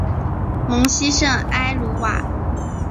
蒙希圣埃卢瓦。